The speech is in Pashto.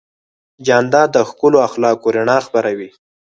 جانداد د ښکلو اخلاقو رڼا خپروي.